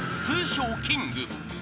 通称キング］